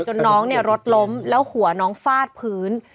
น้องเนี่ยรถล้มแล้วหัวน้องฟาดพื้น